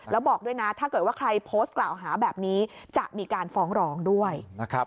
แล้วบอกด้วยนะถ้าเกิดว่าใครโพสต์กล่าวหาแบบนี้จะมีการฟ้องร้องด้วยนะครับ